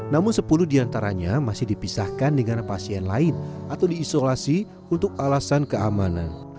namun sepuluh diantaranya masih dipisahkan dengan pasien lain atau diisolasi untuk alasan keamanan